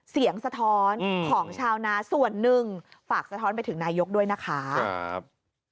สะท้อนของชาวนาส่วนหนึ่งฝากสะท้อนไปถึงนายกด้วยนะคะครับ